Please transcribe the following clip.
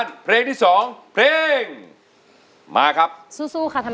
แต่งเพลงมาดีอีกสิค่ะแม่